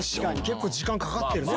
結構時間かかってるね